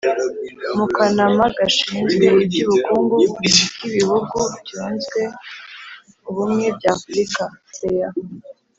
mu kanama gashinzwe iby'ubukungu k'ibihugu byunze ubumwe by'afurika (cea).